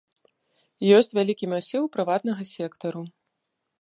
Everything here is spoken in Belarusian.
Ёсць вялікі масіў прыватнага сектару.